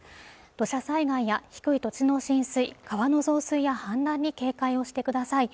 土砂災害や低い土地の浸水川の増水や氾濫に警戒をしてください